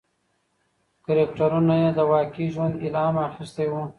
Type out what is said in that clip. کرکټرونه یې له واقعي ژوند الهام اخیستی و.